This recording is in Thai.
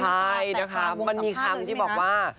ใช่นะคะมันมีคำที่บอกว่า